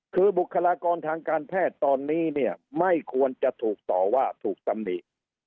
คือบุคลากรทางการแพทย์ตอนนี้เนี่ยไม่ควรจะถูกต่อว่าถูกตำหนิ